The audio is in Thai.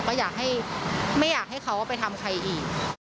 ก็ไม่อยากให้เขาเอาไปทำใครอีก